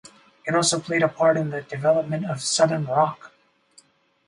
It also played a part in the development of Southern rock.